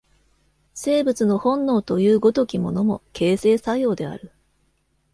生物の本能という如きものも、形成作用である。